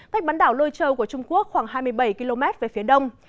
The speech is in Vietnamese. cách bán đảo lôi châu của trung quốc khoảng hai mươi bảy km về phía đông